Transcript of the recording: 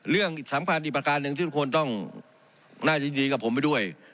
เรื่องสำคัญอีกประการหนึ่งที่ทุกคนต้องน่ายินดีกับผมไปด้วย